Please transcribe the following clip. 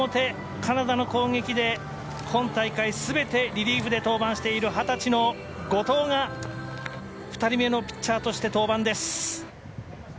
カナダの攻撃で今大会全てリリーフで登板している二十歳の後藤が２人目のピッチャーとして登板です。